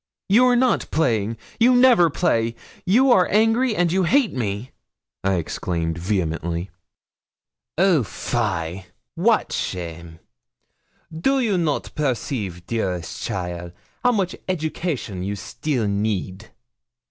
'You are not playing you never play you are angry, and you hate me,' I exclaimed, vehemently. 'Oh, fie! wat shame! Do you not perceive, dearest cheaile, how much education you still need?